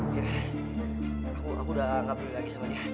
iya aku udah gak perlu lagi sama dia